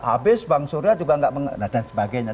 habis bang surya juga nggak mengenal dan sebagainya